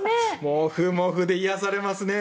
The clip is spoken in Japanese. モフモフで癒やされますねえ。